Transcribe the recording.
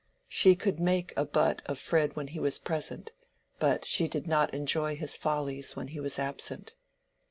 She could make a butt of Fred when he was present, but she did not enjoy his follies when he was absent.